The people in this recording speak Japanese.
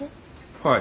はい。